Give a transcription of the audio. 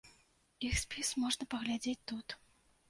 Іх спіс можна паглядзець тут.